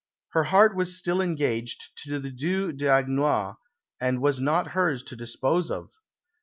Her heart was still engaged to the Due d'Agenois, and was not hers to dispose of.